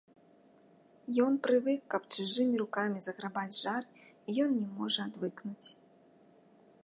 Ён прывык, каб чужымі рукамі заграбаць жар, і ён не можа адвыкнуць.